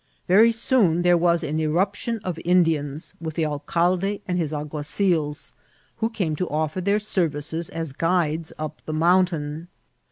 Very soon there was an irruption of Indians, with the alcalde and his alguazils, who came to offer their services as guides up the mountain.